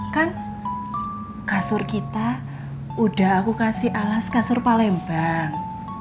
kan kasur kita udah aku kasih alas kasur palembang